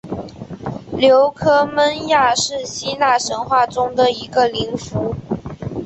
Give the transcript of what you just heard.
琉科忒亚是希腊神话中一个宁芙。